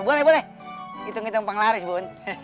boleh boleh hitung hitung panglaris bun